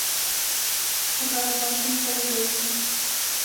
تخار پوهنتون کله جوړ شو؟